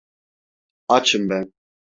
Açım ben.